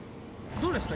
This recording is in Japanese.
どうですか？